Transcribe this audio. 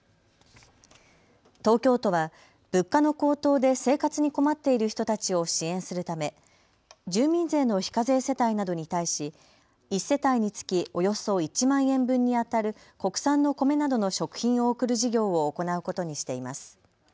東京都は物価の高騰で生活に困っている人たちを支援するため住民税の非課税世帯などに対し１世帯につきおよそ１万円分にあたる国産の米などの食品を送る事業を行うことにしています。